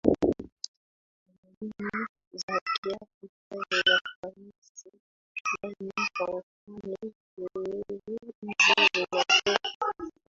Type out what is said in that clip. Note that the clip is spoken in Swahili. tamaduni za kiafrika zina nafasi gani kwa mfano nywele hizi zinatoka